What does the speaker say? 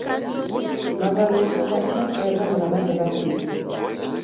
Maghaluso ghadima kuredwa ni w'anake w'atini.